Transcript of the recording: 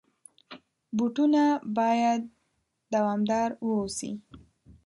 بوټونه باید دوامدار واوسي.